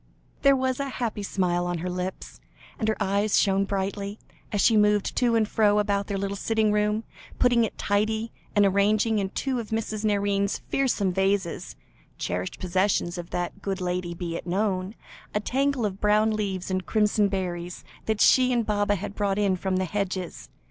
There was a happy smile on her lips, and her eyes shone brightly, as she moved to and fro about their little sitting room, putting it tidy, and arranging in two of Mrs. Nairne's fearsome vases (cherished possessions of that good lady, be it known) a tangle of brown leaves and crimson berries, that she and Baba had brought in from the hedges.